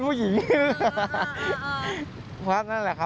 โปรดติดตามต่อไป